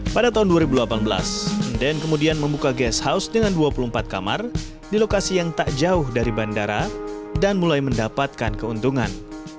pada tahun dua ribu delapan belas den kemudian membuka gas house dengan dua puluh empat kamar di lokasi yang tak jauh dari bandara dan mulai mendapatkan keuntungan